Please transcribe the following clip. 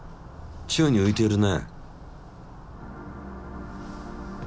宙にういているね。